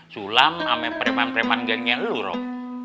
sulam sama preman preman ganyanya lu rob